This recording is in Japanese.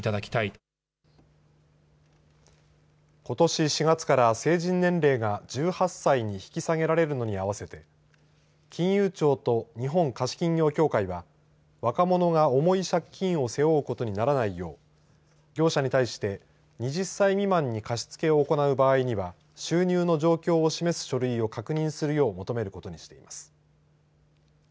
ことし４月から成人年齢が１８歳に引き下げられるのに合わせて金融庁と日本貸金業協会は若者が重い借金を背負うことにならないよう業者に対して２０歳未満に貸し付けを行う場合には収入の状況を示す書類を確認するよう求めることにしています。